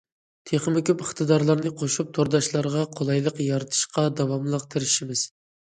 تېخىمۇ كۆپ ئىقتىدارلارنى قوشۇپ، تورداشلارغا قولايلىق يارىتىشقا داۋاملىق تىرىشىمىز.